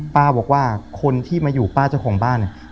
ป้าบอกว่าคนที่มาอยู่ป้าเจ้าของบ้านเนี่ย